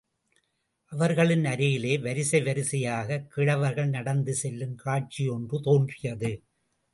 அவர்களின் அருகிலே, வரிசை வரிசையாகக் கிழவர்கள் நடந்து செல்லும் காட்சி ஒன்று தோன்றியது.